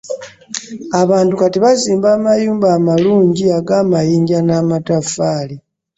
Abantu kati bazimba amayumba amalungi ge ag'amayinja n'amataffaali;